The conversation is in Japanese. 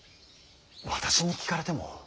私に聞かれても。